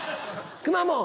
くまモン。